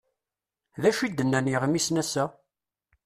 D acu d-nnan yiɣmisen ass-a?